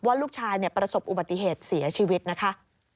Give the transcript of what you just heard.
ลูกชายประสบอุบัติเหตุเสียชีวิตนะคะ